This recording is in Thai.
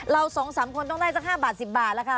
เราสองสามคนต้องได้ตั้งแต่๕บาท๑๐บาท